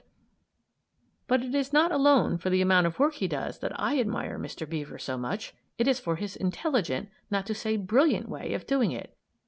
] But it is not alone for the amount of work he does that I admire Mr. Beaver so much; it is for his intelligent, not to say brilliant, way of doing it.